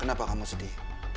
kenapa kamu sedih